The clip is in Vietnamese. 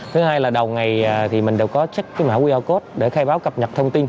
thứ hai là đầu ngày mình đều có check mã qr code để khai báo cập nhật thông tin